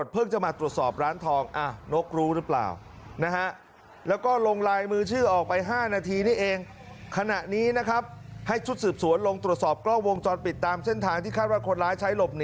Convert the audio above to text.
เพราะเขาน่าจะกลัวโดนทำร้าย